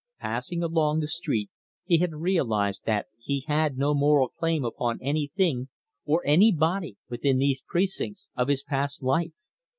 Passing along the street, he had realised that he had no moral claim upon anything or anybody within these precincts of his past life.